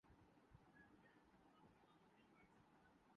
یعنی global warming یا عالمی تپش